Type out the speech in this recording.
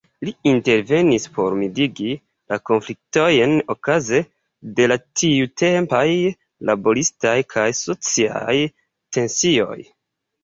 Li intervenis por mildigi la konfliktojn okaze de la tiutempaj laboristaj kaj sociaj tensioj.